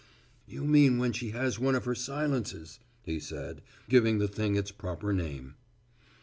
"You mean when she has one of her silences," he said, giving the thing its proper name.